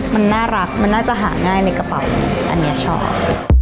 มันน่ารักมันน่าจะหาง่ายในกระเป๋าอันนี้ชอบ